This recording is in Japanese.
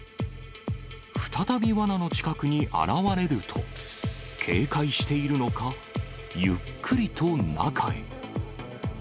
再びわなの近くに現れると、警戒しているのか、ゆっくりと中へ。